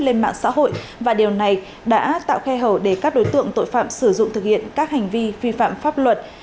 lên mạng xã hội và điều này đã tạo khe hở để các đối tượng tội phạm sử dụng thực hiện các hành vi vi phạm pháp luật